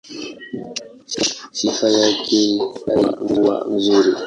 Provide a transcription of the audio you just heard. Sifa yake haikuwa nzuri.